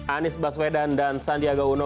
anies baswedan dan sandiaga uno